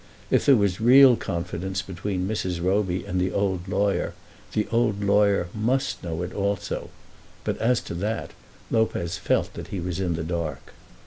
If there was real confidence between Mrs. Roby and the old lawyer, the old lawyer must know it also; but as to that Lopez felt that he was in the dark.